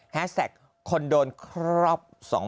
แฮดแทรกคนโดนครอบ๒๐๑๙